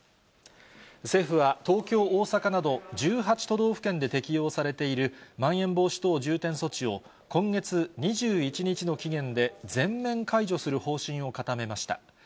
政府は東京、大阪など、１８都道府県で適用されている、まん延防止等重点措置を、今月２１日の期限で全面解除する方針を固めました。